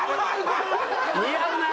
似合うな。